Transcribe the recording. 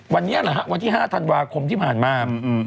วันที่๕ธันวาคมที่ผ่านมา